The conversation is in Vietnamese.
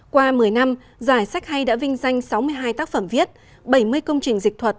qua một mươi năm giải sách hay đã vinh danh sáu mươi hai tác phẩm viết bảy mươi công trình dịch thuật